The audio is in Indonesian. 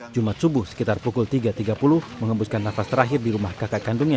jumat subuh sekitar pukul tiga tiga puluh mengembuskan nafas terakhir di rumah kakak kandungnya